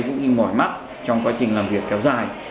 cũng như mỏi mắt trong quá trình làm việc kéo dài